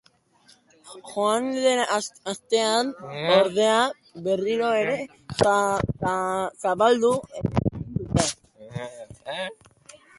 Joan den astean, ordea, berriro ere zabaldu egin dute.